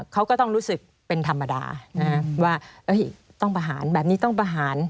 เขาก็ต้องรู้สึกเป็นธรรมดาว่าต้องประหารแบบนี้ต้องประหาร